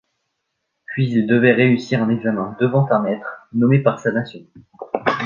Puis il devait réussir un examen devant un maître nommé par sa Nation.